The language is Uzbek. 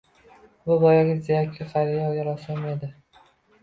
Bu boyagi jizzaki qariya rassom edi.